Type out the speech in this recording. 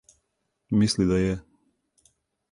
Мисли да је.